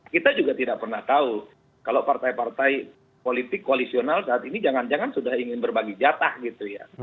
kita juga tidak pernah tahu kalau partai partai politik koalisional saat ini jangan jangan sudah ingin berbagi jatah gitu ya